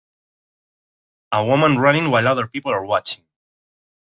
A woman running while other people are watching.